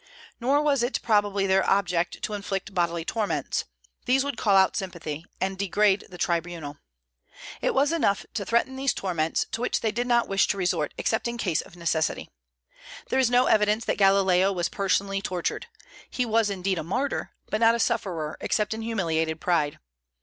Nor was it probably their object to inflict bodily torments: these would call out sympathy and degrade the tribunal. It was enough to threaten these torments, to which they did not wish to resort except in case of necessity. There is no evidence that Galileo was personally tortured. He was indeed a martyr, but not a sufferer except in humiliated pride.